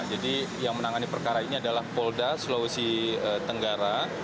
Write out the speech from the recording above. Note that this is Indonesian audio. jadi yang menangani perkara ini adalah polda sulawesi tenggara